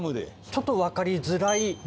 ちょっと分かりづらい。